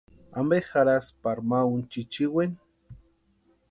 ¿Ampe jarhaski pari ma úni chichiweni?